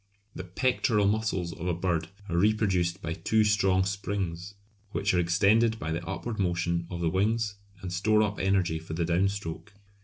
The pectoral muscles of a bird are reproduced by two strong springs which are extended by the upward motion of the wings and store up energy for the down stroke.